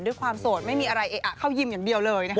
ด้วยความโสดไม่มีอะไรเออะเข้ายิ่มอย่างเดียวเลยนะครับ